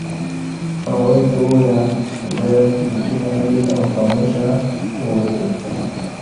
هغوی ته ووایه چې باید بیخي غلي او خاموشه واوسي